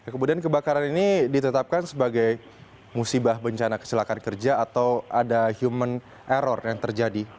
kemudian kebakaran ini ditetapkan sebagai musibah bencana kecelakaan kerja atau ada human error yang terjadi